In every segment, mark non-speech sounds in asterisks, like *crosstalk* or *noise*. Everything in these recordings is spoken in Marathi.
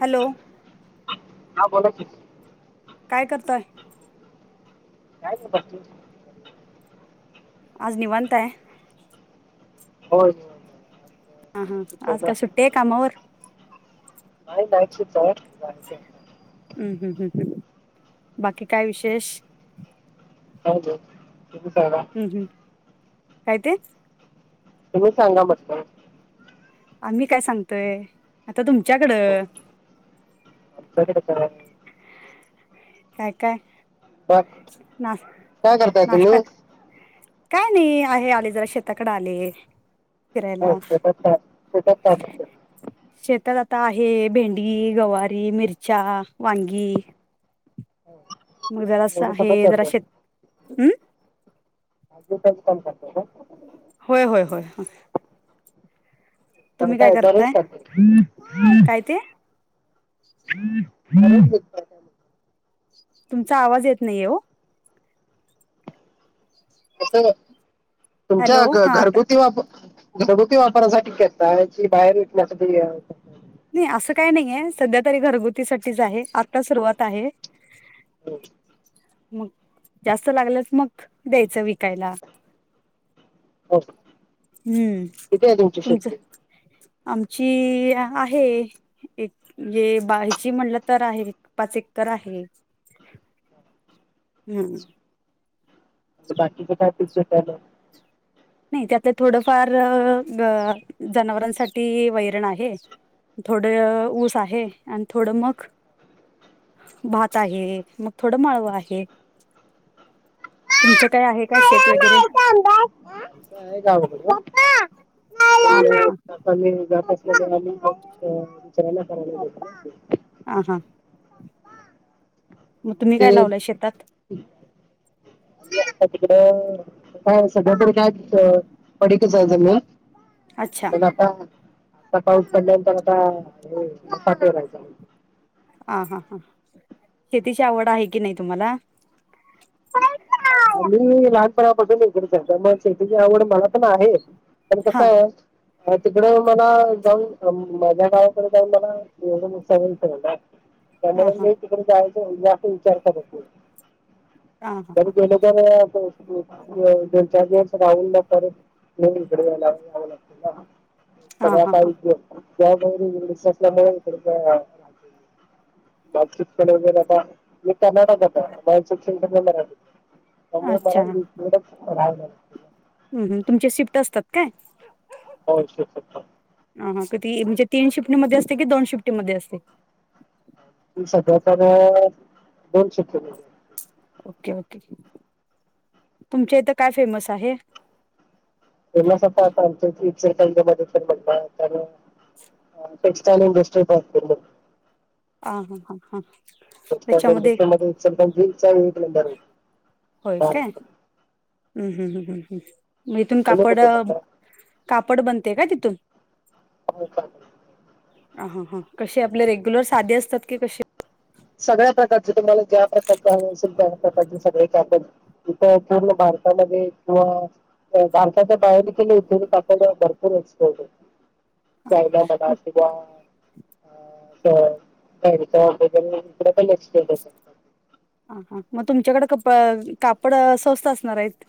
हॅलो! हा, बोला की. काय करताय? काय करू बसलोय. आज निवांत आहे? होय. हा हा, आज काय सुट्टी आहे कामावर? नाही नाईट शिप्ट आहे, जायाचं हाय. ह ह ह ह बाकी काय विशेष? काय म्हणतो? तुम्ही *unintelligible* ह ह, काय ते? तुम्ही सांगा म्हटल? आम्ही काय सांगतोय, आता तुमच्याकडं? आमच्याकडं काय? काय काय? मग, ना काय करताय नाश्ता तुम्ही? काय नाही आहे, आले जरा शेताकडे आले. फिरायला. शेतात आता आहे भेंडी, गवारी, मिरच्या, वांगी. हो. मग जरा असं आहे, जरा शेत ह भाजी विकायचं काम करताय का? होय होय होय हा. मग काय, बरी हायस करताय काय? *unintelligible* काय ते *unintelligible* बरी हाय, मी पण. तुमचा आवाज येत नाहीये ओ? कुठं तुमच्या हॅलो हा घ-घरगुती वाप घरगुती वापरासाठी घेताय, जी बाहेर विकण्यासाठी नाही असं काही नाही आहे, सध्या तरी घरगुती साठीच आहे आत्ता सुरुवात आहे. *unintelligible* मग जास्त लागलच मग द्यायचं विकायला. हो हो. हम्म, तुमचं आमची ह-आहे. एक ये बाहेरची म्हटलं तर, आहे पाच एकर आहे. *unintelligible* हम्म, मग, बाकीच काय पिक घेताय म? नाही, त्यातलं थोडंफार जनावरांसाठी वैरण आहे. थोड ऊस आहे, आणि थोड मग भात आहे मग, थोड माळव आहे. तुमच काय आहे काय, शेत वगैरे? *unintelligible* ह हा. आम्ही जात नसल्यामुळे, आम्ही दुसऱ्याला करायला दिलय ना ते. हा हा, मग तुम्ही काय लावलय शेतात? हह. आम्ही आत्ता तिकडं काय, सगळ्याकडची काय पडीकच आहे जमीन. अच्छा पण, आता आता पाऊस पडल्यानंतर आत्ता हे मक्का पेरायचा आहे. ह हा हा, शेतीची आवड आहे की नाही तुम्हाला? मी लहानपणा पासून इकडंच हाय त्याच्यामुळे मग, शेतीची आवड मला पण आहे. पण हा कसं आहे, तिकडे मला जाऊन माझ्या गावाकडे जाऊन मला एवढ *unintelligible* करणार हा हा त्यामुळे तिकडं जायाचा जास्त विचारत करत नाही. हा हा जरी हा गेलो किनय आमचं दो-दोन चार दिवस राहून मग परत इकडे या- यावं लागत ना. हा पगार हा हा पाणी नसतो त, त्यामुळ बी *unintelligible* *unintelligible* वगैर आता *unintelligible* बंद करालतीत, अच्छा त्यामुळ *unintelligible* हम्म हम्म, तुमचे शिफ्ट असतात काय? हो शिफ्ट असतात. हा हा किती, म्हणजे तीन शिफ्टीमध्ये असते की दोन शिफ्टीमध्ये असते? सध्या तर, दोन शिफ्ट मध्ये. ओके ओके, तुमच्या इथं काय फेमस आहे? फेमस आता आत आमच्या इथ इचलकंरजी मध्ये तर *unintelligible* टेक्स्टाईल इडस्ट्री भरपूर *unintelligible* आ हा हां हां. टेक्सटाइल इंडस्ट्री मध्ये इचलकरंजीचा एक नंबर हाय होय काय? महाराष्ट्रात. हम्म हम्म हम्म हम्म हम्म मग इथून कापड कापड बनते का तिथून? *unintelligible* हा हा हा, कसे आपले रेग्युलर साधी असतात की कशे? सगळ्या प्रकारच तुम्हाला ज्या प्रकारचे हवे असेल त्या प्रकारचे सगळे कापड इथ पूर्ण भारतामध्ये किंवा भारताच्या बाहेर देखील इथून कापड भरपूर एक्सपोर्ट होतो. हा, कायना मला मग किवा *unintelligible* तर हे तिकडं पण एक्सपोर्ट होतात. हा हा, मग तुमच्याकडे कप कापड स्वस्त असणार हाईत?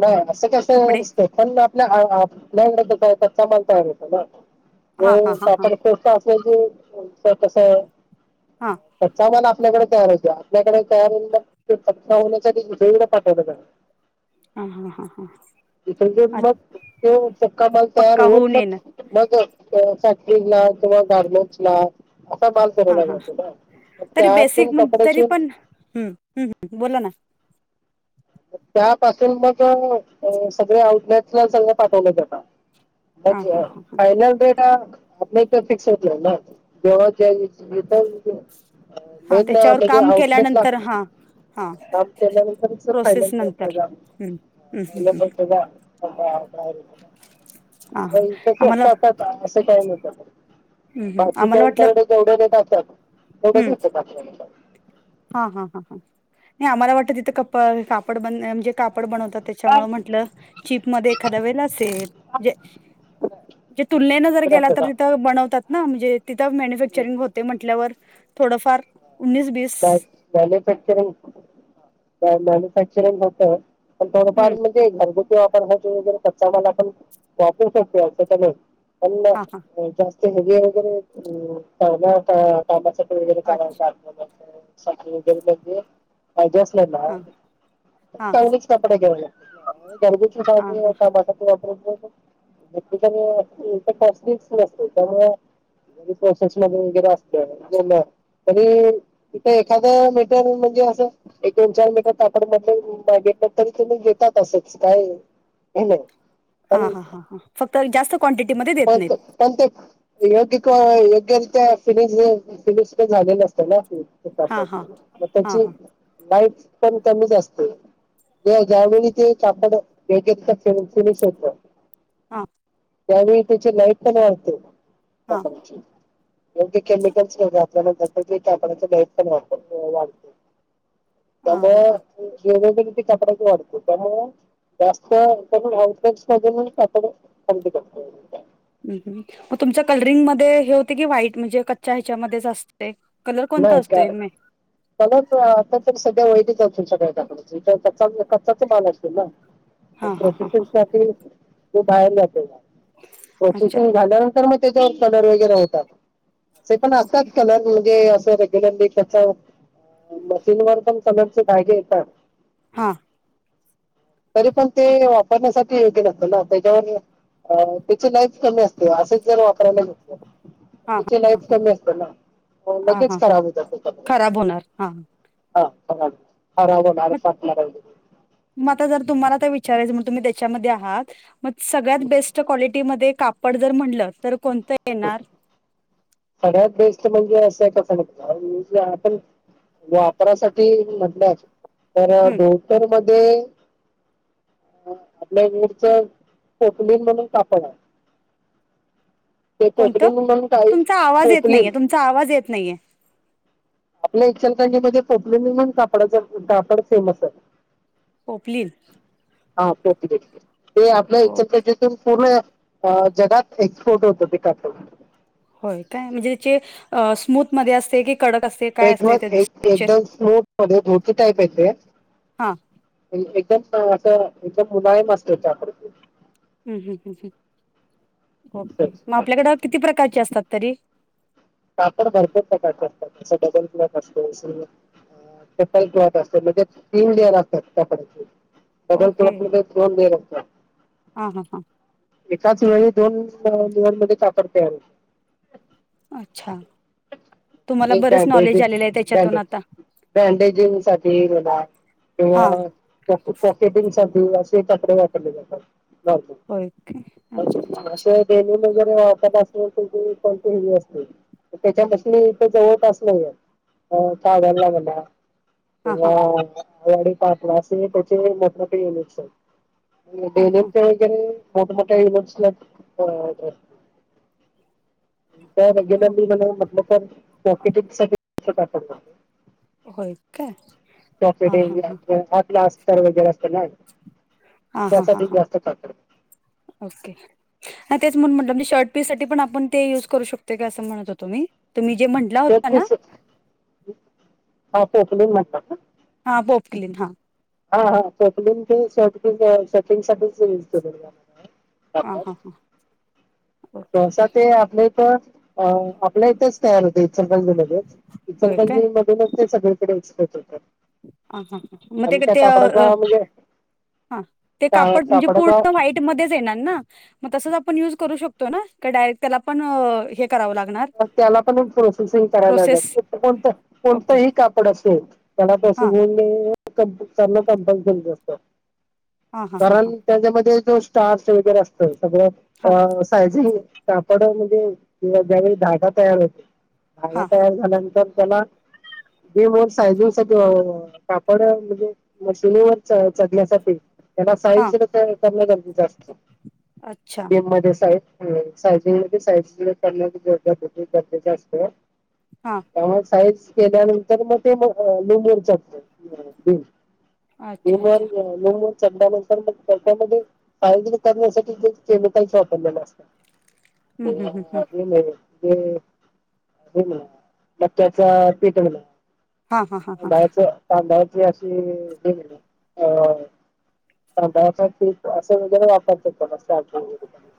नाही असं कसं *unintelligible* आपल्या आपल्याकड कसंय कच्चा माल तयार होतो ना. हा हा जो हा हा कापड स्वस्त असल की *unintelligible* कस हां. कच्चा माल आपल्याकडे तयार होतोय. आपल्याकडे तयार होऊन मग त्यो पक्का होण्यासाठी दुसरीकडं पाठवलं जात. ह हा हा हा. हा *unintelligible* मग ते पक्का माल तयार पक्का होईल होऊन मग. येणार मग कवा फॅक्टरीला कवा गारमेंट्ला. असा बाल हा तरवला हा जातो काय? तरी त्यातून बेसिक म्हण तरी कपड्याची पण हम्म बोला ना. त्यापासून मग सगळे आउटलेटला संग पाठवलं जातं. हा मग हा ह हा फायनल डेटा? आपल्या इथं फिक्स होतं ना, *unintelligible* हा मेन त्याच्यावर म्हणजे काम आउटलेट केल्यानंतर लागत, हा हा काम केल्यानंतरचं प्रोसेस नंतर हम्म हम्म हम्म हम्म *unintelligible* हं आम्हाला मग काय असं काय नसतं. हम्म हम्म आम्हाला वाटलं बाकीच्यांच्याकडे जेवढ देत असत्यात तेवढच हम्म *unintelligible* हा हा हा हा नाही आम्हाला वाटत तिथं क कापड बनन म्हणजे कापड बनवतात त्येच्यामुळे म्हंटलं चिपमध्ये एखाद्या वेळेला असेल. ते तुलनेन जर गेला तर तिथं बनवतात ना म्हणजे तिथं मॅन्युफॅक्चरिंग होते म्हटल्यावर थोडफार उन्नीस वीस बाय मॅन्युफॅक्चरिंग, बाय मॅन्युफॅक्चरिंग होत पण थोडंफार हम्म म्हणजे घर *unintelligible* कच्चा माल वापरू वापरु शकतो हा हा *unintelligible* *unintelligible* सायकल *unintelligible* पाहिजे असलं ना अच्छा हा हा चांगलीच कपडे घेऊनया गरदीेची हा भाजी हा अन टमाटाची वापरू *unintelligible* ते प्रोसेस मध्ये वगैरे असल *unintelligible* तर हे तिथं एखादं मीटर म्हणजे असं एक दोन चार मीटर कापड म्हणलं कणी मागेतलं तरी घेतात असच. काय हॅलो. हा हा हा हा फक्त जास्त क्वांटिटीमध्ये *unintelligible* देत नाहीत पण ते योग्य योग्यरित्या फिनिश फिनिस्क झालेलं असत ना ते. *unintelligible* हां हां म हां त्याची हां लाईट पण कमीच असते. ते ज्या वेळी ते कापड *unintelligible* फिनिश होत हा. त्यावेळी त्याची लाईफ पण वाढते हां कापडाची. योग्य केमिकल्स पण वापरलं जात, जे कापडाच लाईफ पण वागत वाढतं. हां हां त्यामुळं हां केलं तरी ते कपडाच वाढतो त्यामुळं जास्त करून *unintelligible* कापड खरेदी करतो. मग तुमच्या कलरिंग मध्ये हे होते की व्हाईट म्हणजे कच्च्या ह्याच्यामध्येच अस ते कलर कोणता असतोय नई? कलरच आता तर सध्या व्हाईटच असतोय सगळ्या कापडाचा हेच्या कच्चा कच्चाच माल असतोय ना. मग हां हां हां प्रोसेसिंग हां साठी त्यो बाहेर जातोय माल. अच्छा प्रोसेसिंग झालं मग त्याच्यावर कलर वगैरे होतात. तरी पण असतात ओके कलर म्हणजे असं रेग्युलरली त्याचा मशीन वर पण कलर चे धागे येतात. हा. तरी पण ते वापरण्यासाठी योग्य जातना. त्याच्यावर अ त्याची लाईफ कमी असते, असच जर वापरायला घेतलं. हां त्याची लाईफ कमी असते ना. मग हां लगेच हां खराब होतात ते पटकन. खराब होणार हां हा खराब, खराब होणार, फाटणार वैगरे म आता जर तुम्हाला काही विचारायचं म्हणलं तर तुम्ही त्याच्यामध्ये आहात मग सगळ्यात बेस्ट क्वालिटीमध्ये कापड जर म्हणलं, तर कोणतं येणार? सगळ्यात बेस्ट म्हणजे असंय कसय माहितीय काय मोस्टली आपण वापरासाठी म्हटल्, तर हम्म, धोतर मधे ध्ये, आपल्या *unintelligible* पोटली म्हणून कापड हाय. कोणतं? तुमचा आवाज येत नाहीये, तुमचा आवाज येत नाहीये. आपल्या इचलकरंजी मध्ये पोपले निमन कापडाच कापड फेमस आहे. पोपलीन? हा पोपलिन. ते आपल्या ओके इचलकंरजीतून पूर्ण अ- जगात एक्सपोर्ट होत ते कापड. होय काय? म्हणजे जे स्मूथ मध्ये असते की कडक असते. काय एक म असते त्याचे एक स्ट्रक्चर एकदम स्मूथ मध्ये धोती टाईपय ते. हा एकदम असं, एकदम मुलायम असत *unintelligible* हम्म हम्म हम्म हम्म ओके. मग आपल्याकड किती प्रकारची असतात तरी? कापड भरतात *unintelligible* *unintelligible* म्हणजे तीन लेअर असतात कपडाचे. डबल ओके क्लॉक मध्ये दोन लेअर असतात. हां हां हां एकाच वेळी दोन *unintelligible* कापड तयार होत. अच्छा. तुम्हाला एक बरंच बँडेजि नॉलेज आलेलं आहे त्याच्यातून बॅन्डेज आता बँडेजिंग साठी म्हणा. किंवा हां पॉकेटिंगसाठी असे कपडे वापरले जातात, होय ओके अच्छा अच्छा *unintelligible* अच्छा असे डेली वगैरे वापरणार असल *unintelligible* अस त्याच्या मशनि इथ जवळपास नईहाइत. अ - कागल ला म्हणा *unintelligible* हां हां असे त्याचे मोठ मोठे युनिटस आहेत. हां डेनिम हां च्या हां वगैरे मोठमोठ्या युनिट्स ला *unintelligible* रेग्युलरली *unintelligible* मार्केटिंग साठी *unintelligible* पाठवतात. होय. का? *unintelligible* वगैरे असत ना. हा हा हां हा ओके. तेच म्हणून म्हटलं म्हणजे शर्ट पीस साठी पण आपण ते युज करू शकतोय काय असं म्हणत होतो मी. तुमही जे म्हण *unintelligible* म्हणतात हा बोपक्लीन हा. हा हा बोप्लिन हे शर्ट पिस घ्या शटिंग साठीच यूज केले जातात. हा हा. सहसा ते आपल्या इथं अ- आपल्या इथंच तयार होतय इचलकरंजी मध्येच. होय काय इचलकरंजी मधूनच ते सगळीकडे एक्सपोर्ट होतात. हा हा. मग ते क अ हा, ते कापड म्हणजे पूर्ण वाईट मधेच येणार ना, मग तसच आपण यूज करू शकतो ना? काय डायरेक्ट तेला पण हे करावं लागणार. त्याला पण प्रोसेसिंग करायला प्रोसेस लागात कोणतं ओके कोणतंही कापड असेल *unintelligible* हां कॉम्पोल्सरीच असत. हां हां हां हां कारण त्याच्यामध्ये जो स्टार्च वगैरे असत, सगळं हां अ -सायजिंग कापड म्हणजे ज्यावेळी धागा तयार होतो, धागा हां तयार झाल्यानंतर त्याला ते मग *unintelligible* कापड म्हणजे मशीनीवर च चढण्यासाठी त्याना साईज हां करण गरजेचं असतं. अच्छा बीम मध्ये साईज सायजिंग मध्ये *unintelligible* करण्याची गरज गरजेचं असत. हा. मग त्यामुळे साईज केल्यानंतर मग ते लुम्वर चढतय बीम. बीम अच्छा अच्छा मग लूमवर चढल्यानंतर मग त्याच्यामध्ये सायोज करण्यासाठी केमिकल्स वापरलेलं असतय. *unintelligible* ते हां हां हां हे म्हणा मक्याचा पीठ म्हणा. हां हां तांदळाच तांदळाची अशी अ तांदळाचं पीठ अस वगैरे वापरतात बगा *unintelligible*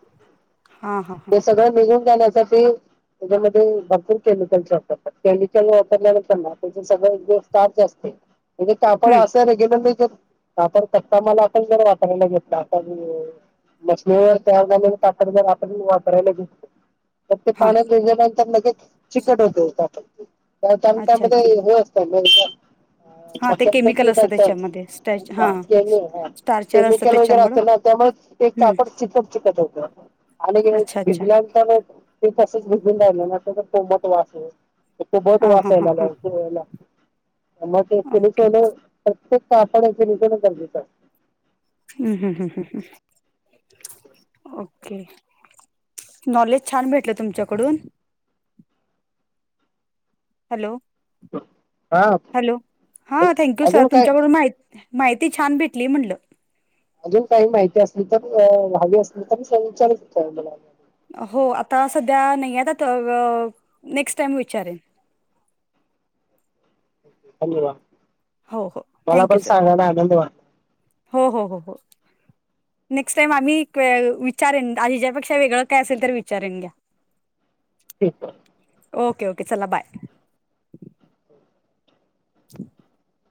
हां हां ते सगळं निघून जाण्याच ते त्याच्यामध्ये भरपूर केमिकलस वापरतात, केमिकल वापरल्यानंतर ना तेच सगळं एक दिवस स्टार्च असतय. म्हणजे कापड हां अस रेग्युलरली जे वापरतात मला *unintelligible* वापरायला घेतलं आता मी मशनीवर तयार झालेलं कापड आपण वापरायला घेतलं तर ते पाण्यात भीजल्यानंतर लगेच चिकट होतय कापड. कारण अच्छा त्यामध्ये अच्छा हे असतय *unintelligible* अ हां ते मक्याचं केमिकल पीठ असतं *unintelligible* त्याच्यामध्ये स्टॅच त्यात हां स्टार्चर असतं केमिकल वगैरे असत त्याच्यामुळं ना त्यामुळे एक हम्म कापड चिकट चिकट होत. आणि अच्छा अच्छा भिजल्यानंतर ते तसच भिजून राहिल ना त्याच कोमट वास येईल. सुबोध हां हां हां वाचायला हां लागतय *unintelligible* मग ते *unintelligible* ओके प्रत्येक कापडची निघण गरजेचं असतं. ह ह ह ह ह. ओके! नॉलेज छान भेटल तुमच्या कडून. Hello hello! हा थँक्यू सर तुमच्याकडून माहिती माहिती छान भेटली म्हटलं. अजून काही माहिती असली तर, हवी असली तर विचारू शकताय मला अजुन. हो, आता सध्या नाही आता नेक्स्ट टाइम विचारेन. *unintelligible* हो हो, थँक्यू! सर हो हो हो हो. नेक्स्ट टाइम आम्ही विचारेन, आणि हेच्यापेक्षा वेगळ काय असेल तर विचारेन घ्या. ठिक आहे. Okay okay! चला बाय. *unintelligible*